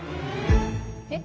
えっ？